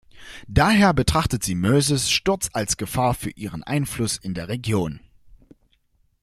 Daher betrachtet sie Mursis Sturz als Gefahr für ihren Einfluss in der Region.